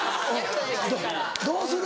どうする？